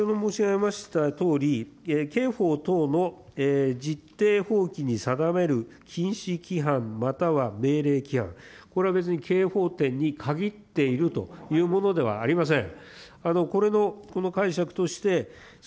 先ほど申し上げましたとおり、刑法等の実定法規に定める禁止規範、または命令規範、これは別に刑法てんに限っているというものではありません。